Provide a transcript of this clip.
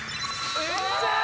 よっしゃー！